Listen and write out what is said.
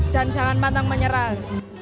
dan jangan patah menyerah